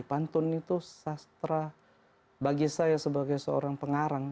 pantun itu sastra bagi saya sebagai seorang pengarang